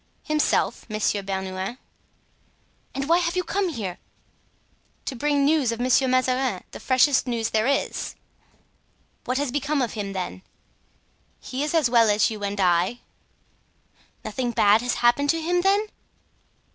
"Himself, Monsieur Bernouin." "And why have you come here?" "To bring news of Monsieur de Mazarin—the freshest news there is." "What has become of him, then?" "He is as well as you and I." "Nothing bad has happened to him, then?"